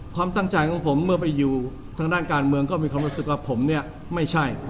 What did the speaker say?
ความตั้งใจของผมเมื่อไปอยู่ทางด้านการเมืองก็มีความรู้สึกว่าผมเนี่ยไม่ใช่